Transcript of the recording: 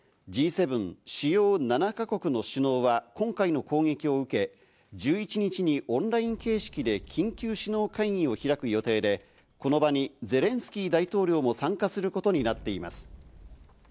Ｇ７＝主要７か国の首脳は今回の攻撃を受け、１１日にオンライン形式で緊急首脳会議を開く予定で、この場にゼレンスキー大統領も参加することになっています。